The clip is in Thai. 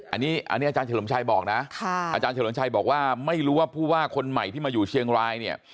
อันนี้อาจารย์เฉลิมชัยบอกนะอาจารย์เฉลิมชัยบอกว่าไม่รู้ว่าผู้ว่าคนใหม่ที่มาอยู่เชียงรายเนี่ย